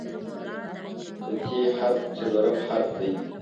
د "ت" حرف څلورم حرف دی.